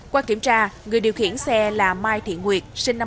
qua kiểm tra người điều khiển xe là mai thị nguyệt sinh năm một nghìn chín trăm sáu mươi